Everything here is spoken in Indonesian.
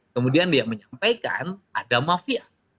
kemudian dia menyampaikan ada mafia